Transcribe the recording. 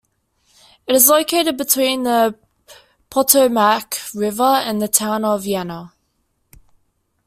It is located between the Potomac River and the town of Vienna.